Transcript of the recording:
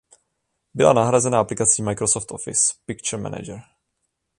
Byla nahrazena aplikací Microsoft Office Picture Manager.